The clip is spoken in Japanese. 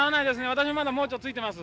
私まだ盲腸ついてます。